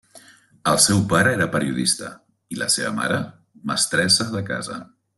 El seu pare era periodista i la seva mare, mestressa de casa.